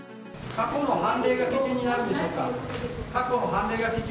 過去の判例が基準になるんでしょうか。